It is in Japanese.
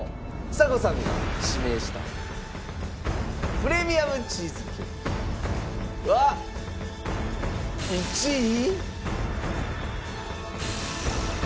ちさ子さんが指名したプレミアムチーズケーキは１位。